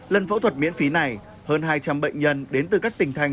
lần phẫu thuật miễn phí này hơn hai trăm linh bệnh nhân đến từ các tỉnh thành